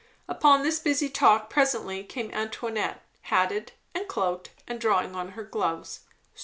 Upon this busy talk presently came Antoinette, hatted and cloaked, and drawing on her gloves.